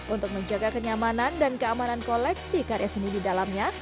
untuk menjaga kenyamanan dan keamanan koleksi karya seni di dalamnya